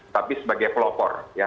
tapi sebagai pelopor ya